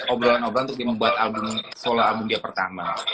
obrolan obrolan untuk dia membuat album sola album dia pertama